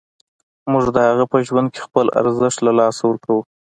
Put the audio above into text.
موږ د هغه په ژوند کې خپل ارزښت له لاسه ورکوو.